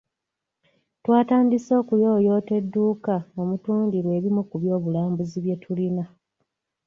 Twatandise okuyooyoota edduuka omutundirwa ebimu ku by’obulambuzi byetulina.